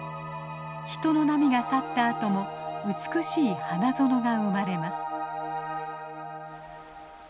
人の波が去ったあとも美しい花園がうまれます。